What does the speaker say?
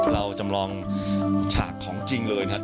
เราจำลองฉากของจริงเลยนะครับ